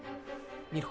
見ろ。